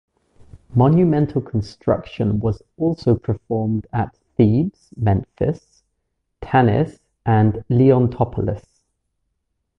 Monumental construction was also performed at Thebes, Memphis, Tanis and Leontopolis.